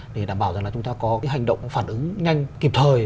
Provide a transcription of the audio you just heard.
để đảm bảo rằng là chúng ta có cái hành động phản ứng nhanh kịp thời